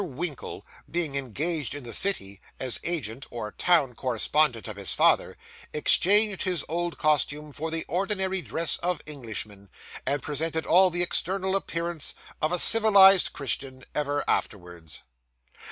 Winkle, being engaged in the city as agent or town correspondent of his father, exchanged his old costume for the ordinary dress of Englishmen, and presented all the external appearance of a civilised Christian ever afterwards.